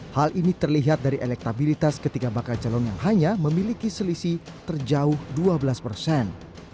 hal ini terlihat dari elektabilitas ketiga bakal calon yang hanya memiliki selisih terjauh dua belas persen